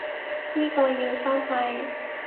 呢個要收費